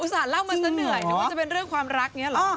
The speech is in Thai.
เล่ามาซะเหนื่อยนึกว่าจะเป็นเรื่องความรักนี้เหรอ